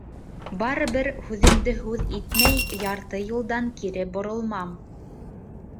Барыбер, һүҙемде һүҙ итмәй, ярты юлдан кире боролмам.